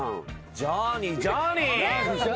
ジャーニージャーニー。